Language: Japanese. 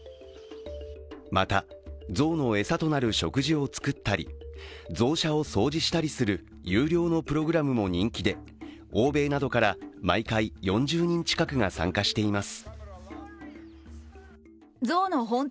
また、ゾウの餌となる食事を作ったり、ゾウ舎を掃除したりする有料のプログラムも人気で欧米などから毎回４０人近くが参加しています。